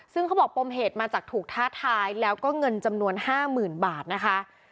ซึ่งเขาบอกปมเหตุมาจากถูกท้าทายแล้วก็เงินจำนวน๕๐๐๐บาทนะคะ